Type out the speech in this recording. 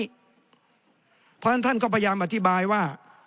เพราะฉะนั้นท่านก็พยายามอธิบายว่า